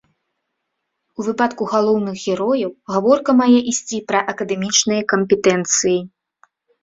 У выпадку галоўных герояў гаворка мае ісці пра акадэмічныя кампетэнцыі.